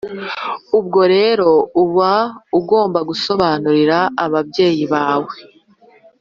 Ubwo rero uba ugomba gusobanurira ababyeyi bawe